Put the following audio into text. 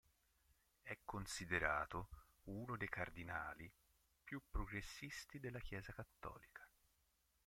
È considerato uno dei cardinali più progressisti della Chiesa cattolica.